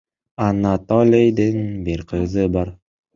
Анатолийдин бир кызы бар.